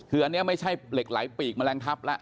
คืออันนี้ไม่ใช่เหล็กไหลปีกแมลงทับแล้ว